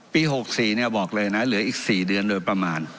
๖๔บอกเลยนะเหลืออีก๔เดือนโดยประมาณ